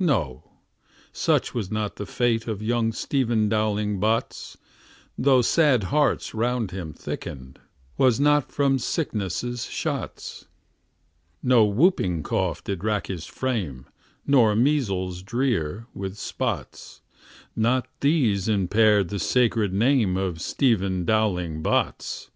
No; such was not the fate of Young Stephen Dowling Bots; Though sad hearts round him thickened, 'Twas not from sickness' shots. No whooping cough did rack his frame, Nor measles drear, with spots; Not these impaired the sacred name Of Stephen Dowling Bots.